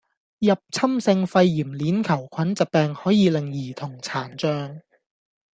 入侵性肺炎鏈球菌疾病可以令兒童殘障